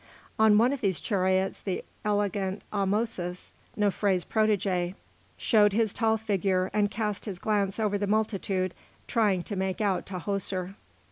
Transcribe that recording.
On one of these chariots the elegant Ahmosis, Nofré's protégé, showed his tall figure and cast his glance over the multitude, trying to make out Tahoser.